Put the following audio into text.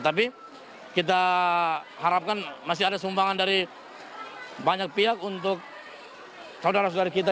tapi kita harapkan masih ada sumbangan dari banyak pihak untuk saudara saudara kita